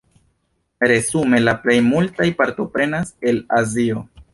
Resume la plej multaj partoprenas el Azio.